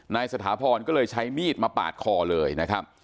สถาพรก็เลยใช้มีดมาปาดคอเลยนะครับ